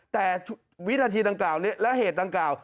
แต่วินาทีดังกล่าวนี้และเหตุดังกล่าว